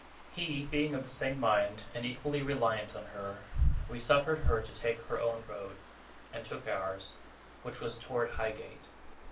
He being of the same mind, and equally reliant on her, we suffered her to take her own road, and took ours, which was towards Highgate.